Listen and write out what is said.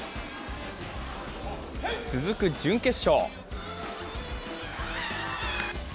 続く準決勝。